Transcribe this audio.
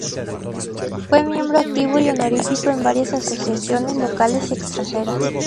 Fue miembro activo y honorífico en varias asociaciones locales y extranjeras.